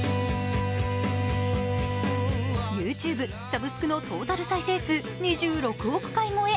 ＹｏｕＴｕｂｅ、サブスクのトータル再生数２６億回超え。